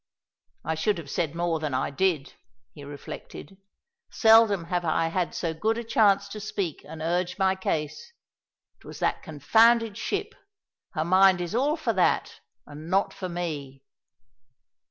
"I should have said more than I did," he reflected; "seldom have I had so good a chance to speak and urge my case. It was that confounded ship. Her mind is all for that and not for me."